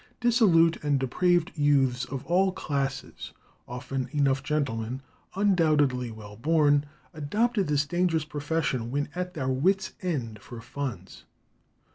Dissolute and depraved youths of all classes, often enough gentlemen, undoubtedly well born, adopted this dangerous profession when at their wit's ends for funds.